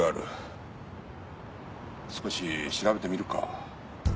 少し調べてみるか。